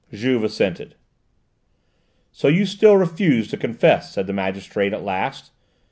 Juve assented.... "So you still refuse to confess?" said the magistrate at last.